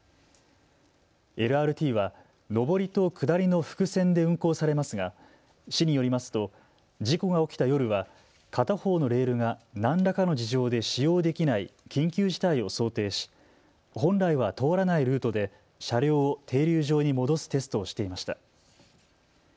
ＬＲＴは上りと下りの複線で運行されますが市によりますと事故が起きた夜は片方のレールが何らかの事情で使用できない緊急事態を想定し本来は通らないルートで車両を停留場に戻すテストをしていました。